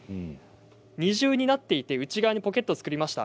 二重になっていて内側にポケットを作りました。